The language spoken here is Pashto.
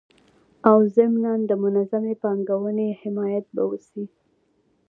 او ضمنان د منظمي پانګوني حمایت به وسي